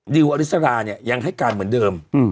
อริสราเนี่ยยังให้การเหมือนเดิม